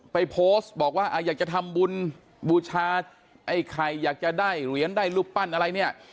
ไปโพสต์บอกว่าอยากจะทำบุญบูชาไอ้ไข่อยากจะได้เหรียญได้รูปปั้นอะไรเนี่ย